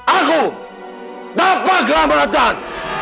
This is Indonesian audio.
aku dapat kelamatan